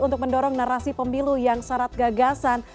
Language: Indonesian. untuk mendorong narasi pemilu yang syarat gagasan